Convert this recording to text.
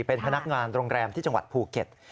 เป็นพนักงานโรงแรมที่จังหวัดภูเก็ต